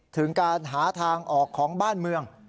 ถึงการหาทางออกของบ้านเมือง